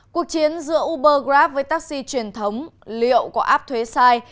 cuộc chiến giữa uber grab với taxi truyền thống liệu có áp thuế sai